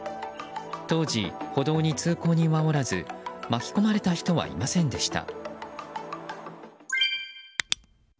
当時、歩道に通行人はおらず巻き込まれた人はいませんでした。